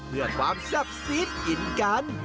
เพื่อความแซ่บซีดกินกัน